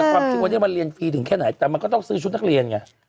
ความจริงวันนี้มันเรียนฟรีถึงแค่ไหนแต่มันก็ต้องซื้อชุดนักเรียนไง